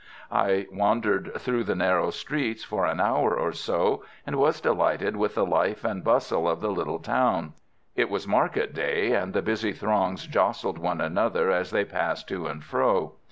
I wandered through the narrow streets for an hour or so, and was delighted with the life and bustle of the little town. It was market day, and the busy throngs jostled one another as they passed to and fro.